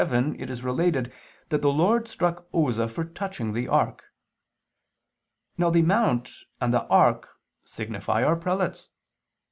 '] and (2 Kings 6:7) it is related that the Lord struck Oza for touching the ark. Now the mount and the ark signify our prelates.